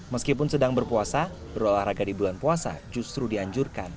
meskipun sedang berpuasa berolahraga di bulan puasa justru dianjurkan